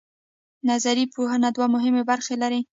نظري پوهه دوه مهمې برخې لري.